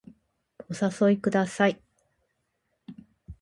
お誘いください